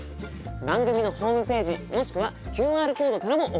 番組のホームページもしくはＱＲコードからも送っていただけます。